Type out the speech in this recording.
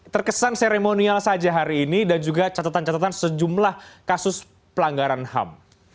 terkesan seremonial saja hari ini dan juga catatan catatan sejumlah kasus pelanggaran ham